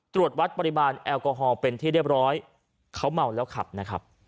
ตรวจวัดปริมาณแอลกอฮอลเป็นที่เรียบร้อยเขาเมาแล้วขับนะครับ